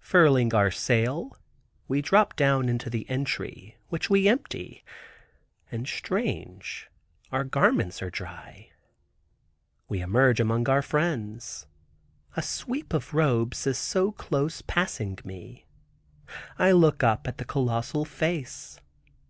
Furling our sail, we drop down into the entry, which we empty, and strange, our garments are dry. We emerge among our friends. A sweep of robes is so close passing me, I look up at the colossal face.